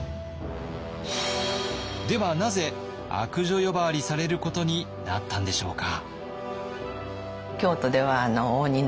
ではなぜ「悪女」呼ばわりされることになったんでしょうか？